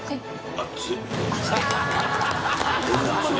「熱い」